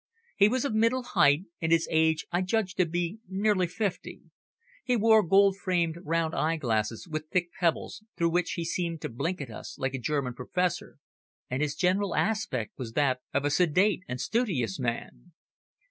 He was of middle height, and his age I judged to be nearly fifty. He wore gold framed round eye glasses with thick pebbles, through which he seemed to blink at us like a German professor, and his general aspect was that of a sedate and studious man.